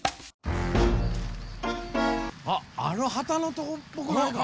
あっあの旗のとこっぽくないか？